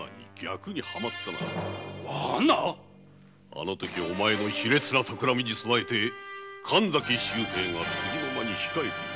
あの時お前の卑劣なたくらみに備えて神崎が次の間にいたのだ。